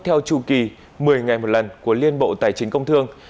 theo chu kỳ một mươi ngày một lần của liên bộ tài chính công thương